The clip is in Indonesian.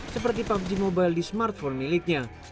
seperti pubg mobile di smartphone miliknya